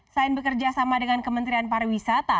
selain bekerja sama dengan kementerian pariwisata